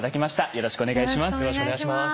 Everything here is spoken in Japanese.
よろしくお願いします。